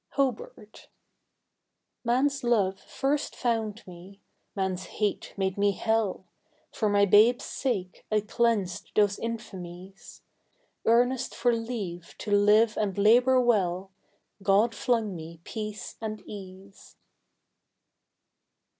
Hobart. Man's love first found me; man's hate made me Hell; For my babes' sake I cleansed those infamies. Earnest for leave to live and labour well God flung me peace and ease.